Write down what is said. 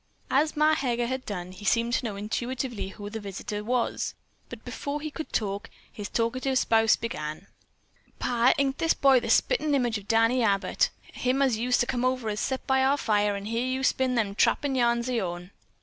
As Ma Heger had done, he seemed to know intuitively who the visitor was. But before he could speak, his talkative spouse began: "Pa, ain't this boy the splittin' image of Danny Abbott, him as used to come over to set by our fire and hear you spin them trappin' yarns o' yourn?